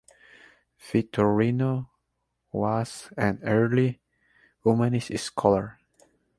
Vittorino was an early humanist scholar.